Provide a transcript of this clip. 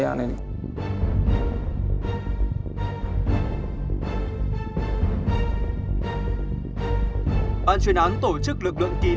bạn truyền án tổ chức lực lượng kín